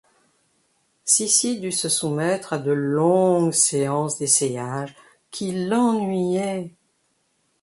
Sissi dut se soumettre à de longues séances d’essayage qui l’ennuyaient.